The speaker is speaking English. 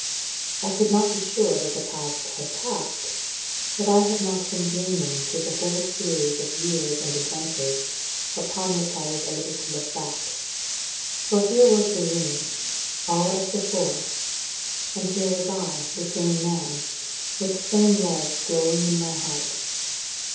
I could not be sure that the Past had passed, that I had not been dreaming through the whole series of years and adventures, upon which I was able to look back. For here was the room, all as before; and here was I, the same man, with the same love glowing in my heart.